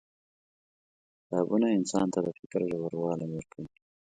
• کتابونه انسان ته د فکر ژوروالی ورکوي.